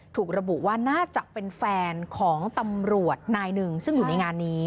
ถูกระบุว่าน่าจะเป็นแฟนของตำรวจนายหนึ่งซึ่งอยู่ในงานนี้